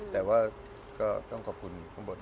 แต่ว่าก็ต้องขอบคุณข้างบน